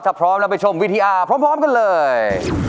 ถ้าพร้อมแล้วไปชมวิทยาพร้อมกันเลย